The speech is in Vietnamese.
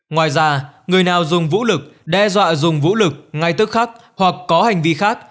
ngoài ra người nào dùng vũ lực đe dọa dùng vũ lực ngay tức khắc hoặc có hành vi khác